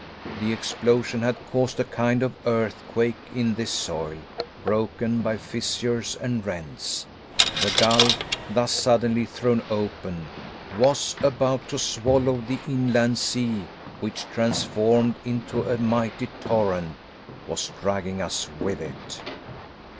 The explosion had caused a kind of earthquake in this soil, broken by fissures and rents. The gulf, thus suddenly thrown open, was about to swallow the inland sea which, transformed into a mighty torrent, was dragging us with it.